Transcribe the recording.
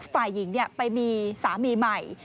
ฝ่ายหญิงไปมีสามีใหม่